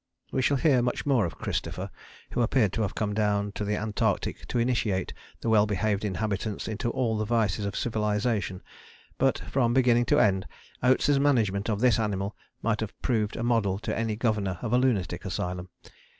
We shall hear much more of Christopher, who appeared to have come down to the Antarctic to initiate the well behaved inhabitants into all the vices of civilization, but from beginning to end Oates' management of this animal might have proved a model to any governor of a lunatic asylum.